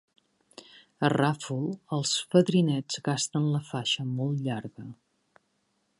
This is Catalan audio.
A Ràfol els fadrinets gasten la faixa molt llarga.